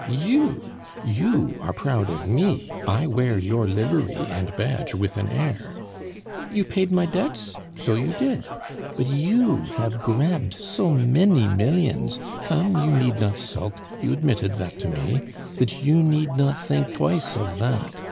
you are proud of me; I wear your livery and badge with an air. You paid my debts? So you did. But you have grabbed so many millions come, you need not sulk; you admitted that to me that you need not think twice of that.